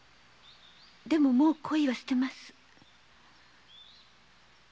でももう恋は捨てます。